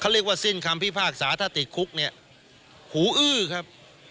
เรียกว่าสิ้นคำพิพากษาถ้าติดคุกเนี่ยหูอื้อครับ